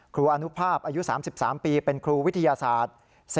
อนุภาพอายุ๓๓ปีเป็นครูวิทยาศาสตร์